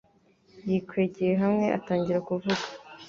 Yikwegeye hamwe atangira kuvuga